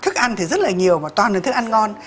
thức ăn thì rất là nhiều và toàn được thức ăn ngon